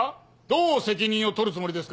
どう責任を取るつもりですか？